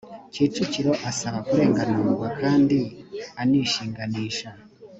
kicukiro asaba kurenganurwa kandi anishinganisha